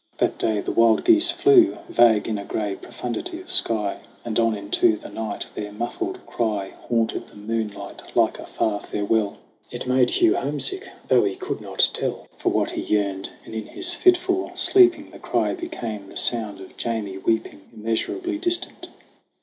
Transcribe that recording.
That day the wild geese flew ? Vague in a gray profundity of sky; And on into the night their muffled cry Haunted the moonlight like a far farewell. It made Hugh homesick, though he could not tell THE CRAWL 59 For what he yearned ; and in his fitful sleeping The cry became the sound of Jamie weeping, Immeasurably distant.